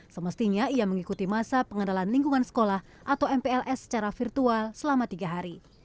semestinya ia mengikuti masa pengendalian lingkungan sekolah atau mpls secara virtual selama tiga hari